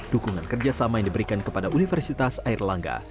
dukungan kerjasama yang diberikan kepada universitas air langga